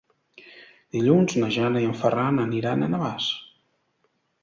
Dilluns na Jana i en Ferran aniran a Navàs.